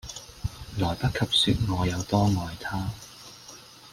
來不及說我有多愛他